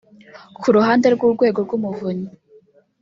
Ku ruhande rw’Urwego rw’Umuvunyi